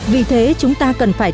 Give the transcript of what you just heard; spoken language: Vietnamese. vì thế chúng ta cần phải